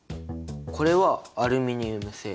これはアルミニウム製。